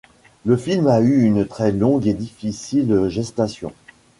Le film a eu une très longue et difficile gestation.